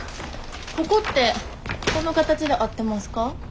ここってこの形で合ってますか？